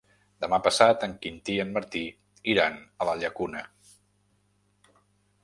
Demà passat en Quintí i en Martí iran a la Llacuna.